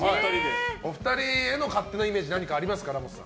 お二人への勝手なイメージありますか？